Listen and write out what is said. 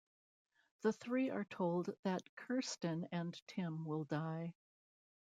The three are told that Kirsten and Tim will die.